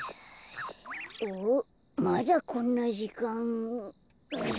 おっまだこんなじかん。